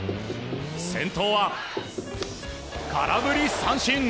先頭は、空振り三振。